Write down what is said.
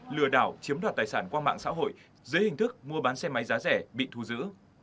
lừa đảo chiếm đoạt tài sản qua mạng xã hội dưới hình thức mua bán xe máy giá rẻ bị thu giữ